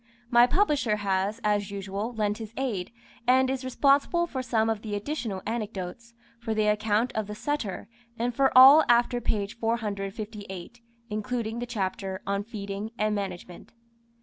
My Publisher has, as usual, lent his aid, and is responsible for some of the additional anecdotes, for the account of the Setter, and for all after page 458, including the chapter "On Feeding and Management."